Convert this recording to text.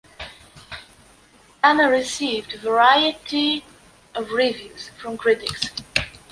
Anna received a variety of reviews from critics.